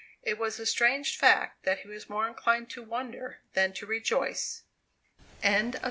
It was a strange fact that he was more inclined to wonder than to rejoice. CHAPTER XIII.